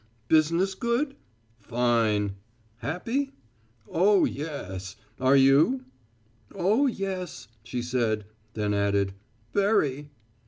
"Business good!" "Fine." "Happy!" "Oh, yes are you!" "Oh, yes," she said, then added "very."